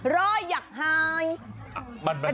รอยหยักหงาย